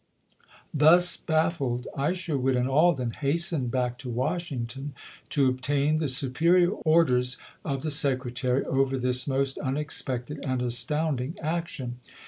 Thus baffled, Isherwood and Alden hastened back to Washing ton to obtain the superior orders of the Secretary over this most unexpected and astounding action.